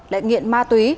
lại nghiện ma túy